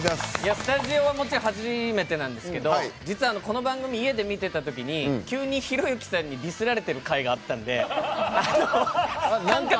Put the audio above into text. スタジオはもちろん初めてなんですけど実はこの番組家で見てた時に急にひろゆきさんにディスられてる回があったんであの感覚的にはなんか２回目っていう感じです。